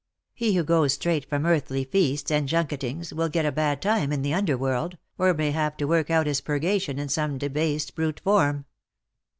He who goes straight from earthly feasts and junkettings will get a bad time in the under world, or may have to work out his purgation in some debased brute form."